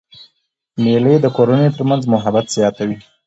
مېلې د کورنیو تر منځ محبت زیاتوي.